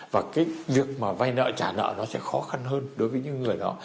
và cái việc mà vay nợ trả nợ nó sẽ khó khăn hơn đối với những người đó